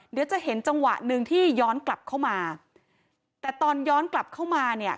เดี๋ยวจะเห็นจังหวะหนึ่งที่ย้อนกลับเข้ามาแต่ตอนย้อนกลับเข้ามาเนี่ย